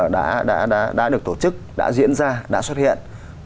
đã được tổ chức đã diễn ra đã xuất hiện